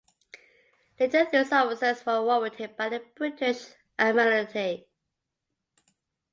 Later these officers were "warranted" by the British Admiralty.